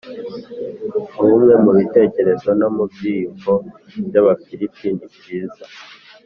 ubumwe mu bitekerezo no mu byiyumvo bya Abafilipi nibyiza